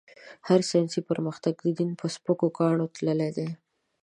هر ساينسي پرمختګ؛ دين په سپکو کاڼو تللی دی.